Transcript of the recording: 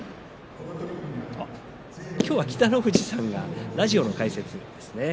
今日は北の富士さんがラジオの解説ですね。